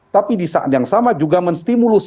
tapi di saat yang sama juga menstimulus